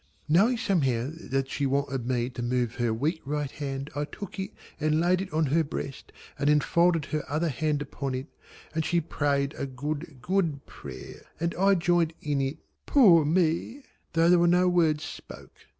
Knowing somehow that she wanted me to move her weak right hand, I took it and laid it on her breast and then folded her other hand upon it, and she prayed a good good prayer and I joined in it poor me though there were no words spoke.